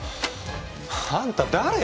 あんた誰？